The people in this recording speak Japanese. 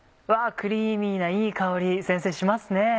クリーミーないい香りしますね。